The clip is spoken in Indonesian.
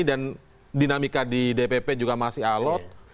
dan dinamika di dpp juga masih alot